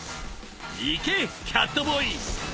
いけキャットボーイ！